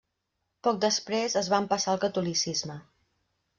Poc després es van passar al catolicisme.